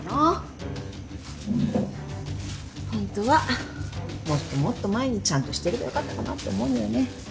ホントはもっともっと前にちゃんとしてればよかったかなって思うのよね。